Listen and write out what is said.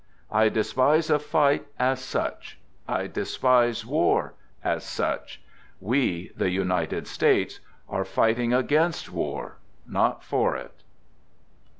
I despise a fight as such ; I despise war — as such. We — the United States — are fighting against war, not for it.